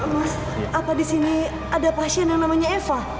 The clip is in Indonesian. mas apa disini ada pasien yang namanya eva